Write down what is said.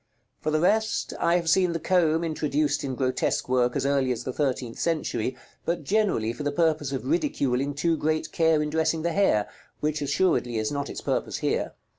For the rest, I have seen the comb introduced in grotesque work as early as the thirteenth century, but generally for the purpose of ridiculing too great care in dressing the hair, which assuredly is not its purpose here.